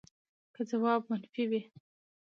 که ځواب منفي وي